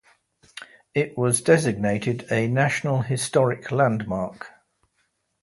It was designated a National Historic Landmark.